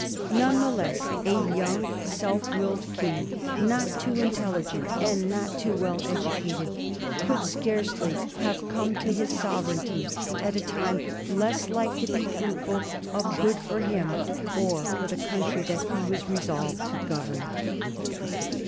None the less a young, self willed King, not too intelligent and not too well educated, could scarcely have come to his sovereignty at a time less like to be fruitful of good for him or for the country that he was resolved to govern.